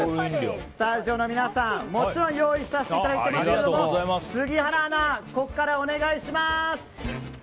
スタジオの皆さん、もちろん用意させていただいていますが杉原アナ、ここからお願いします。